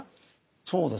そうですね。